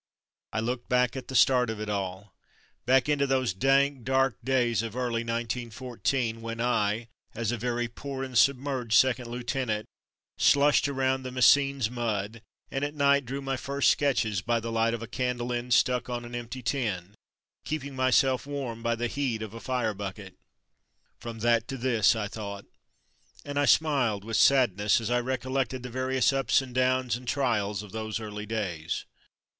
I looked back at the start of it all. Back into those dank dark days of early 1914, when I, as a very poor and submerged second lieutenant, slushed around the Messines mud, and at night drew my first sketches by the light of a candle end stuck on an empty tin, keep A Unique Job 149 ing myself warm by the heat of a fire bucket. "From that to this/' I thought, and I smiled with sadness as I recollected the various ups and downs and trials of those early days.